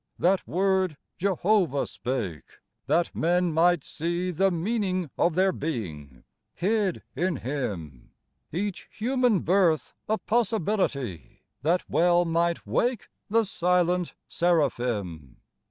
That Word Jehovah spake, that men might see The meaning of their being, hid in Him ; Each human birth a possibility, That well might wake the silent seraphim.